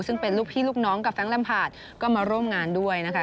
ซึ่งเป็นลูกพี่ลูกน้องกับแก๊งลัมพาดก็มาร่วมงานด้วยนะคะ